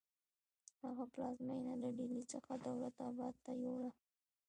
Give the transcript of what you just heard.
هغه پلازمینه له ډیلي څخه دولت اباد ته یوړه.